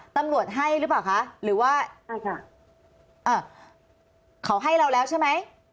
ตำรวจให้หรือเปล่าคะหรือว่าอาจจะเขาให้เราแล้วใช่ไหม